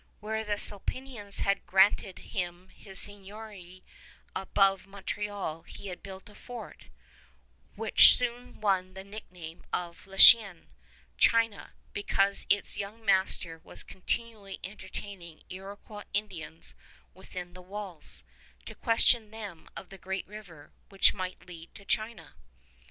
Where the Sulpicians had granted him his seigniory above Montreal he had built a fort, which soon won the nickname of La Chine, China, because its young master was continually entertaining Iroquois Indians within the walls, to question them of the Great River, which might lead to China.